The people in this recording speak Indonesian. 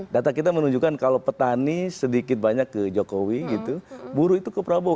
data kita menunjukkan kalau petani sedikit banyak ke jokowi gitu buruh itu ke prabowo